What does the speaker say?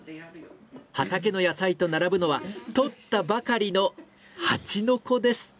畑の野菜と並ぶのは取ったばかりのハチの子です。